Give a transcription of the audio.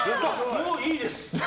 もういいです。